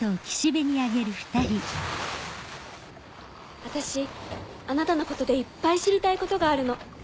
あたしあなたのことでいっぱい知りたいことがあるの。